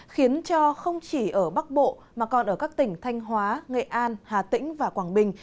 khiến cho không chỉ ở bắc bộ mà còn ở các tỉnh thanh hóa nghệ an hà tĩnh và quảng bình